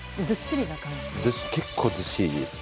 結構ずっしりです。